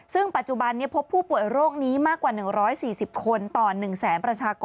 ซึ่งปัจจุบันนี้พบผู้ป่วยโรคนี้มากกว่า๑๔๐คนต่อ๑แสนประชากร